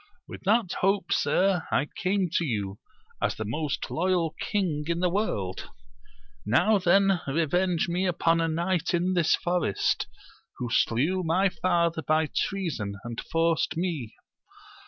— With that hope, sir, I came to you, as the most loyal king in the world : now then revenge me upon a knight in this forest, who slew my father by treason, and forced me.